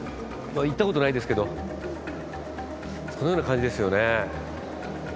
行ったことないですけどそのような感じですよね。